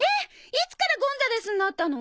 いつからゴンザレスになったの？